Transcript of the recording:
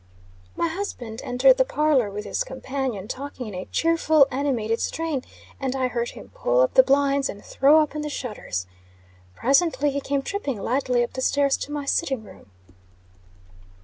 My husband entered the parlor with his companion, talking in a cheerful, animated strain; and I heard him pull up the blinds and throw open the shutters. Presently he came tripping lightly up the stairs to my sitting room.